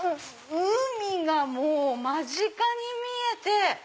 海がもう間近に見えて。